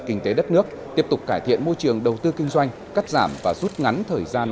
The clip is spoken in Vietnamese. kinh tế đất nước tiếp tục cải thiện môi trường đầu tư kinh doanh cắt giảm và rút ngắn thời gian